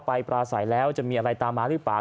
ปลาใสแล้วจะมีอะไรตามมาหรือเปล่า